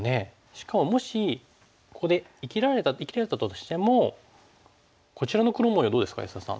しかももしここで生きれたとしてもこちらの黒模様どうですか安田さん。